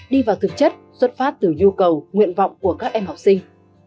đi vào thực chất xuất phát từ nhu cầu nguyện vọng của các em học sinh